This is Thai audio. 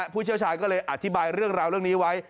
ผู้เชี่ยวชาญก็เลยอธิบายเรื่องราวเรื่องนี้ไว้